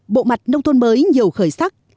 bộ mặt nông thôn mới nhiều khởi sắc